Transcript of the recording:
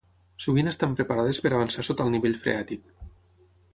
Sovint estan preparades per avançar sota el nivell freàtic.